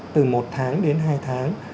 từ một tháng đến hai tháng